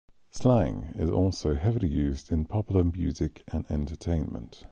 Slang is also heavily used in popular music and entertainment.